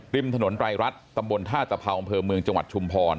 ริมถนนไตรรัฐตำบลท่าตะเภาอำเภอเมืองจังหวัดชุมพร